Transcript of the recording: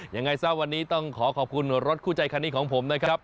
ยังไงซะวันนี้ต้องขอขอบคุณรถคู่ใจคันนี้ของผมนะครับ